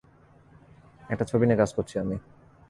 একটা ছবি নিয়ে কাজ করছি আমি।